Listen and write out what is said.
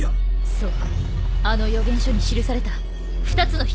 そうあの予言書に記された「二つの光」です。